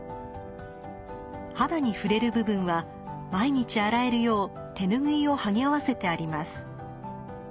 肌に触れる部分は毎日洗えるよう手ぬぐいをはぎ合わせてあります。